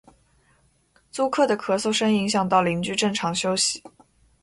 租客的咳嗽声影响到邻居正常休息